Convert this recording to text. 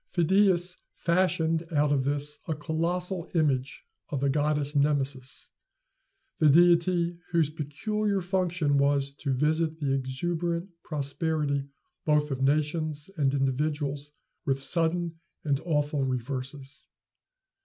Phidias fashioned out of this a colossal image of the goddess Nemesis, the deity whose peculiar function was to visit the exuberant prosperity both of nations and individuals with sudden and awful reverses.